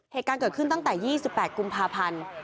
เหตุการณ์เกิดขึ้นตั้งแต่๒๘กุมภาพันธ์